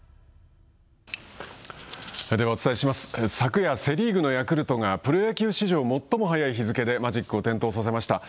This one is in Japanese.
プロ野球ヤクルトがプロ野球史上最も速い日付でマジックを点灯させました。